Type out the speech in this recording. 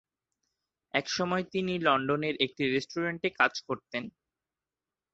এসময় তিনি লন্ডনের একটি রেস্টুরেন্টে কাজ করতেন।